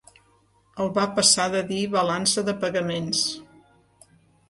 El va passar de dir balança de pagaments.